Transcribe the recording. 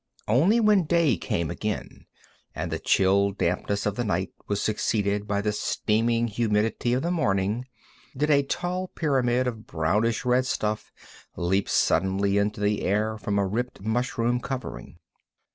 Only when day came again, and the chill dampness of the night was succeeded by the steaming humidity of the morning, did a tall pyramid of brownish red stuff leap suddenly into the air from a ripped mushroom covering.